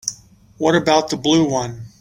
What about the blue one?